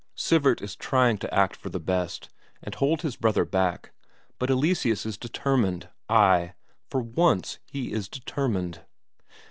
Sivert is trying to act for the best, and hold his brother back, but Eleseus is determined, ay, for once he is determined.